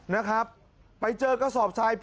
ที่มาช่วยลอกท่อที่ถนนหัวตะเข้เขตรักกะบังกรงเทพมหานคร